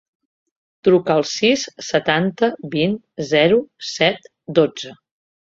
Truca al sis, setanta, vint, zero, set, dotze.